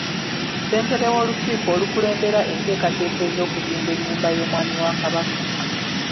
Ssentebe w'olukiiko olukulembera enteekateeka ez'okuzimba ennyumba y'omwami wa Kabaka